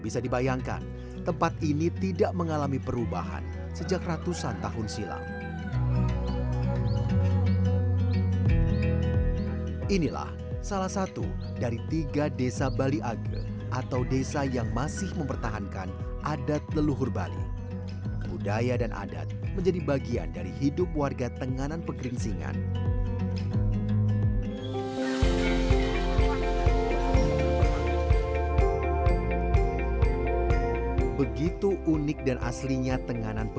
sampai jumpa di video selanjutnya